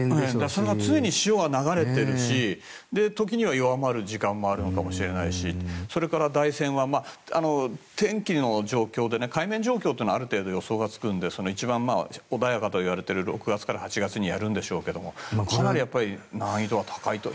それが常に潮が流れているし時には弱まる時間もあるかもしれないしそれから台船は天気の状況で海面状況はある程度予想がつくので一番穏やかと言われている６月から８月にやるんでしょうけどかなり難易度は高いと。